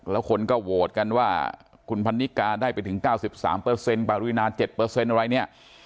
แล้วคนก็โหวตกันว่าคุณพันธิกาได้ไปถึงเก้าสิบสามเปอร์เซ็นต์บารินาเจ็ดเปอร์เซ็นต์อะไรเนี้ย